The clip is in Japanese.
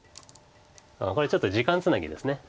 これちょっと時間つなぎです。